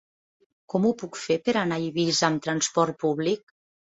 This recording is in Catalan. Com ho puc fer per anar a Eivissa amb transport públic?